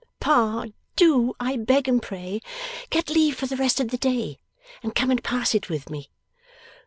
Pa, do, I beg and pray, get leave for the rest of the day, and come and pass it with me!